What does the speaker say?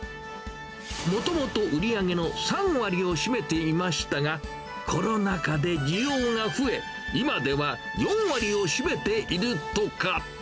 もともと売り上げの３割を占めていましたが、コロナ禍で需要が増え、今では４割を占めているとか。